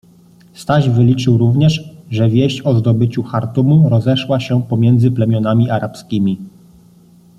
Staś wyliczył również, że wieść o zdobyciu Chartumu rozeszła się pomiędzy plemionami arabskimi.